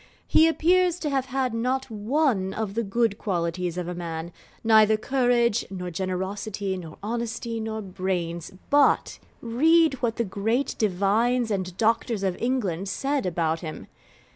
He appears to have had not one of the good qualities of a man neither courage, nor generosity, nor honesty, nor brains; but read what the great Divines and Doctors of England said about him!